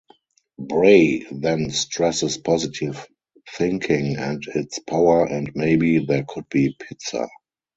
Bray then stresses positive thinking and its power and maybe there could be pizza.